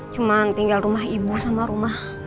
cuman tinggal rumah ibu sama rumah ibu